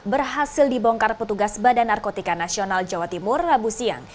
berhasil dibongkar petugas badan narkotika nasional jawa timur rabu siang